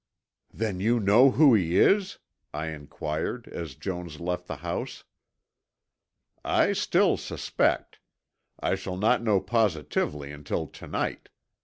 "Then you know who he is?" I inquired, as Jones left the house. "I still suspect. I shall not know positively until to night.